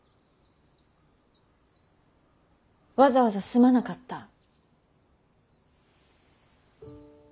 わざわざすまなかった。